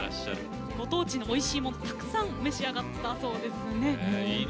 ご当地のおいしいものたくさん召し上がったそうですね。